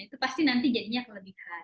itu pasti nanti jadinya kelebihan